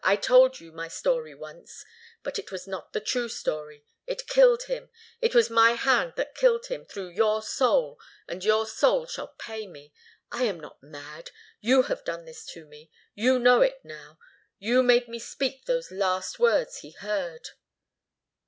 I told you my story once but it was not the true story. It killed him. It was my hand that killed him, through your soul, and your soul shall pay me. I am not mad. You have done this to me. You know it now. You made me speak those last words he heard."